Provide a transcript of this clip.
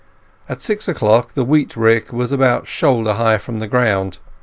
At six o'clock the wheat rick was about shoulder high from the ground.